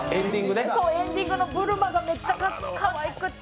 エンディングのブルマがめっちゃかわいくて。